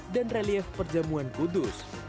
dan relief perjamuan kudus